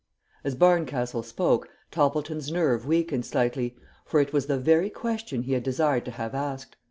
As Barncastle spoke, Toppleton's nerve weakened slightly, for it was the very question he had desired to have asked.